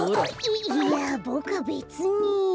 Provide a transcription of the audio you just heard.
いいやボクべつに。